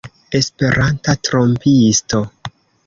Esperanta trompisto!